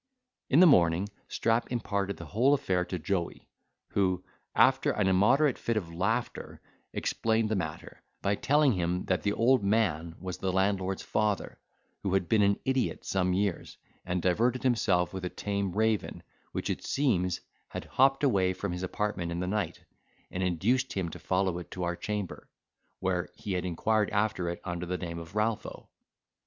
In the morning Strap imparted the whole affair to Joey, who, after an immoderate fit of laughter, explained the matter, by telling him that the old man was the landlord's father, who had been an idiot some years, and diverted himself with a tame raven, which, it seems, had hopped away from his apartment in the night, and induced him to follow it to our chamber, where he had inquired after it under the name of Ralpho.